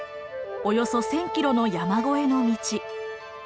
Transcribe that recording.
およそ１，０００キロの山越えの道。